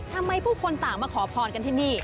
ผู้คนต่างมาขอพรกันที่นี่